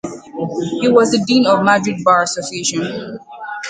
He was the Dean of Madrid Bar Association.